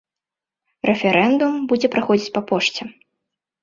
Рэферэндум будзе праходзіць па пошце.